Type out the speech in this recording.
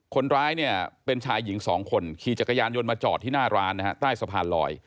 คนร้ายเนี่ยเป็นชายหญิงสองคนขี่จักรยานยนต์มาจอดที่หน้าร้านนะฮะใต้สะพานลอย